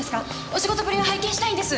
お仕事ぶりを拝見したいんです。